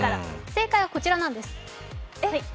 正解はこちらなんです。